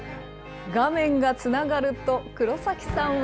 画面がつながると、黒崎さんは。